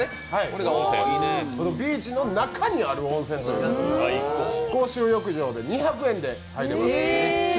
ビーチの中にある温泉ということで、公衆浴場で２００円で入れます。